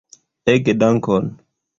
Ege dankon!